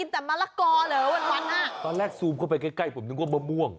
ตอนแรกซูมเข้าไปใกล้ผมนึกว่ามะม่วง